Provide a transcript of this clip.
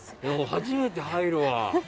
初めて入るわ。